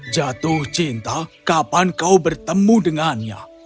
jatuh cinta kapan kau bertemu dengannya